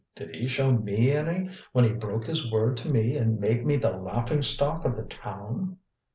Did he show me any when he broke his word to me and made me the laughing stock of the town?"